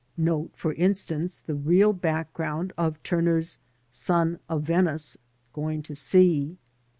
Note, for instance, the real background of Turner's ''Sun of Venice going to Sea."